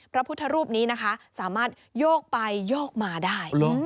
พระพุทธรูปนี้นะคะสามารถโยกไปโยกมาได้